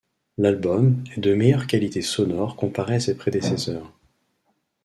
L'album est de meilleure qualité sonore comparé à ses prédécesseurs.